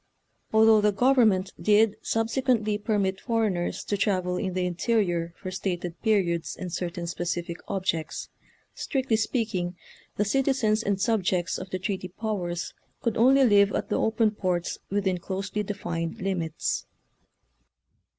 Although the government did subsequently permit foreigners to travel in the interior for stated periods and certain specific objects, strictly speaking' the citizens and subjects of the treaty powers could only live at the "open ports" within closely defined limits.